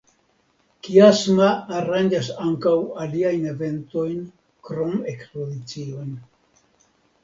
Kiasma aranĝas ankaŭ aliajn eventojn krom ekspoziciojn.